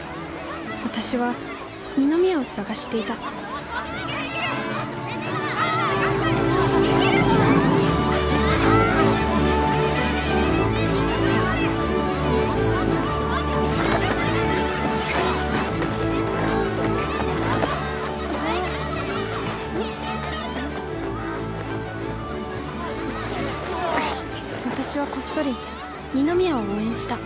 私は二宮を捜していた私はこっそり二宮を応援した。